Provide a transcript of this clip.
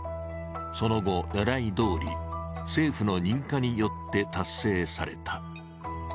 その後、狙いどおり政府の認可によって達成された。